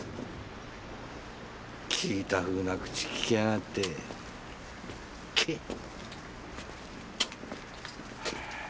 聞いたふうな口利きやがってケッ。